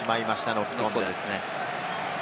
ノックオンです。